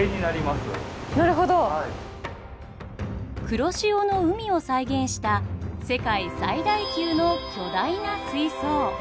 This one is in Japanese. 黒潮の海を再現した世界最大級の巨大な水槽。